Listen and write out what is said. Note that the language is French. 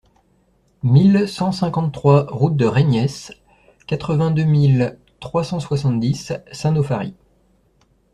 mille cent cinquante-trois route de Reyniès, quatre-vingt-deux mille trois cent soixante-dix Saint-Nauphary